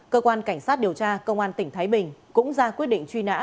cơ quan cảnh sát điều tra công an tỉnh thái bình cũng ra quyết định truy nã